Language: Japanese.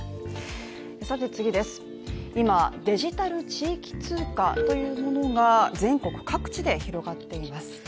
今、デジタル地域通貨というものが全国各地で広がっています。